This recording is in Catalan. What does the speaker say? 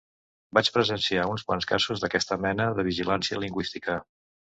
Vaig presenciar uns quants casos d'aquesta mena de "vigilància" lingüística.